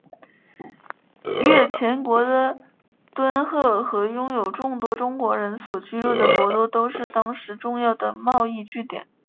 越前国的敦贺和拥有众多中国人所居住的博多都是当时重要的贸易据点。